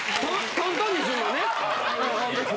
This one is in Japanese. トントンにする。